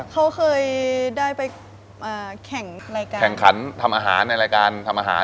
เขาเคยได้ไปแข่งรายการแข่งขันทำอาหารในรายการทำอาหาร